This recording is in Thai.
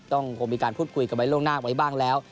ต้องมีการพูดคุยกับไว้โลกหน้าไว้บ้างแล้ว